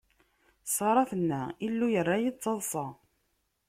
Ṣara tenna: Illu yerra-yi d taḍṣa.